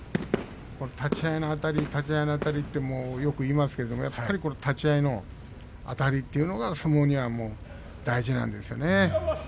立ち合いのあたり立ち合いのあたりとよく言いますけれどやっぱり立ち合いのあたりというのが相撲には大事なんですよね。